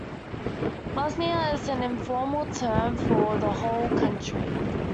"Bosnia" is an informal term for the whole country.